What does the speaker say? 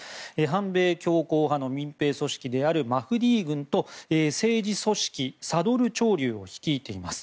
反米強硬派の民兵組織であるマフディー軍と政治組織サドル潮流を率いています。